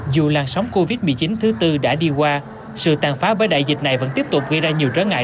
dù làn sóng covid một mươi chín thứ tư đã đi qua sự tàn phá bởi đại dịch này vẫn tiếp tục gây ra nhiều trở ngại